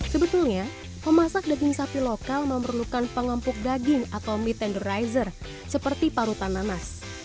sebetulnya memasak daging sapi lokal memerlukan pengampuk daging atau meat tenderizer seperti parutan nanas